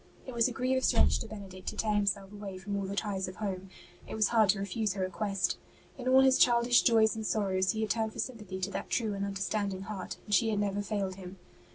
It was a grievous wrench to Benedict to tear himself 28 ST. BENEDICT away from all the ties of home; it was hard to refuse her request. In all his childish joys and sorrows he had turned for sympathy to that true and understanding heart, and she had never failed him.